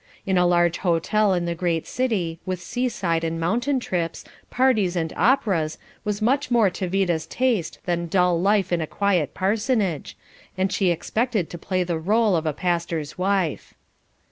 In a large hotel in the great city, with seaside and mountain trips, parties and operas was much more to Vida's taste than dull life in a quiet parsonage, and she expected to play the role of a pastor's wife.